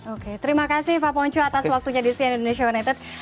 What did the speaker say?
oke terima kasih pak ponco atas waktunya di sian indonesia connected